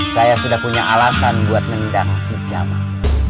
saya sudah punya alasan buat nendang si jamal